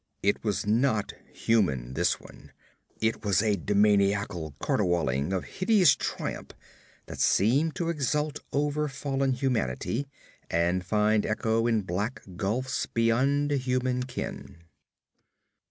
It was not human, this one; it was a demoniacal caterwauling of hideous triumph that seemed to exult over fallen humanity and find echo in black gulfs beyond human ken.